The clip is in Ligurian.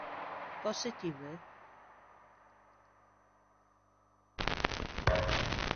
Cöse ti veu?